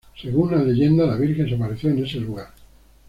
Según una leyenda la virgen se apareció en ese lugar.